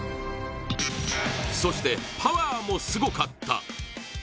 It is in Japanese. そして、パワーもすごかった！